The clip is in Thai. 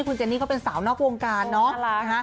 คุณเจนนี่ก็เป็นสาวนอกวงการเนอะ